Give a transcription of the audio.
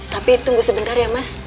tapi tunggu sebentar ya mas